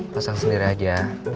pasang sendiri aja